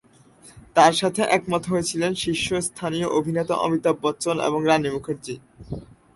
তাঁর সাথে একমত হয়েছিলেন শীর্ষস্থানীয় অভিনেতা অমিতাভ বচ্চন এবং রানি মুখার্জি।